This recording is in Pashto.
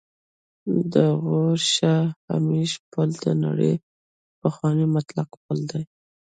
د غور شاهمشه پل د نړۍ پخوانی معلق پل دی